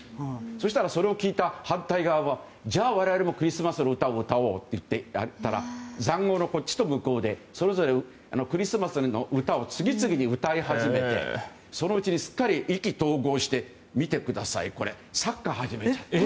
そしたら、それを聞いた反対側はじゃあ我々もクリスマスの歌を歌おうって塹壕のこっちと向こうでそれぞれクリスマスの歌を次々に歌い始めてそのうちにすっかり意気投合してサッカーを始めちゃった。